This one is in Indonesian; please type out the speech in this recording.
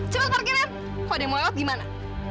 cepet parkirin kok ada yang mau lewat gimana